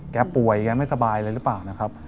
แกป่วยแกไม่สบายเลยหรือเปล่านะครับ